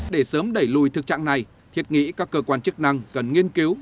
để sớm đẩy lùi thực trạng này thiệt nghĩ các cơ quan chức năng cần nghiên cứu